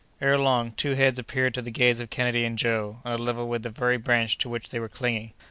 Ere long, two heads appeared to the gaze of Kennedy and Joe, on a level with the very branch to which they were clinging.